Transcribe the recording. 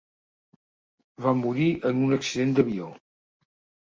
Va morir en un accident d'avió.